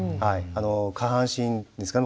下半身ですか